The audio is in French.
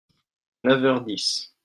Neuf heures dix.